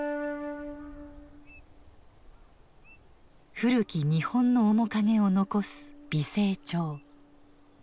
古き日本の面影を残す美星町。